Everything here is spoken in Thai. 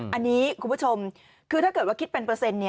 อันนี้คุณผู้ชมคือถ้าเกิดว่าคิดเป็นเปอร์เซ็นต์